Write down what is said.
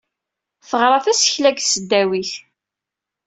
Teɣra tasekla deg tesdawit.